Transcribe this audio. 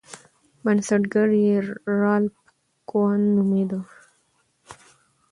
بنسټګر یې رالف کوهن نومیده.